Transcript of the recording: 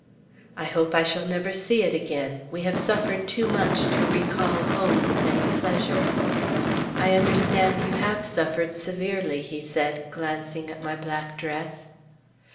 "I hope I shall never see it again. We have suffered too much to recall home with any pleasure." "I understand you have suffered severely," he said, glancing at my black dress.